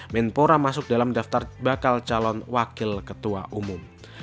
menpora masuk dalam daftar bakal calon wakil ketua umum